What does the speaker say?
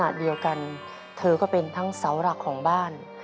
ขณะเดียวกันเธอก็เป็นทั้งเสาหลักของบ้าน